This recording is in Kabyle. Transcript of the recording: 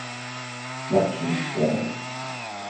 D aqcic kan.